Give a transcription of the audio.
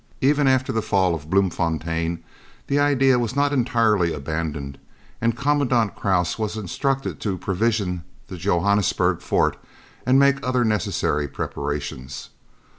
Even after the fall of Bloemfontein the idea was not entirely abandoned, and Commandant Krause was instructed to provision the Johannesburg Fort and make other necessary preparations.